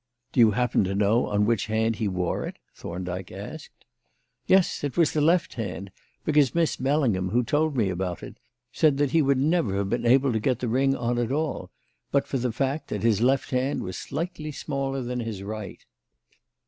"Do you happen to know on which hand he wore it?" Thorndyke asked. "Yes. It was the left hand; because Miss Bellingham, who told me about it, said that he would never have been able to get the ring on at all but for the fact that his left hand was slightly smaller than his right."